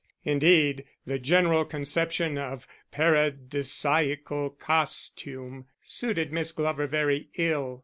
Indeed, the general conception of paradisaical costume suited Miss Glover very ill.